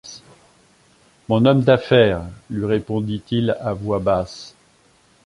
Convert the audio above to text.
Mon homme d’affaires, lui répondit-il à voix basse.